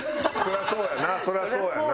そりゃそうやな。